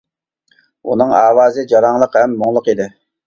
ئۇنىڭ ئاۋازى جاراڭلىق ھەم مۇڭلۇق ئىدى.